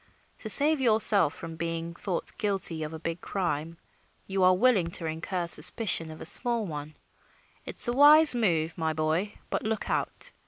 To save yourself from being thought guilty of a big crime you are willing to incur suspicion of a small one. It's a wise move, my boy, but look out!